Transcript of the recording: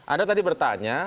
anda tadi bertanya